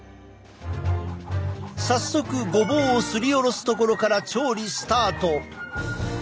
早速ごぼうをすりおろすところから調理スタート！